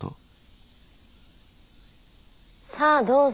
さあどうぞ。